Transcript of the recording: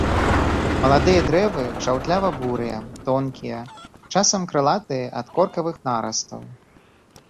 Маладыя дрэвы жаўтлява-бурыя, тонкія, часам крылатыя ад коркавых нарастаў.